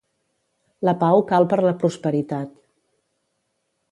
La pau cal per la prosperitat.